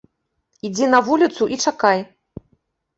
Ідзі на вуліцу і чакай!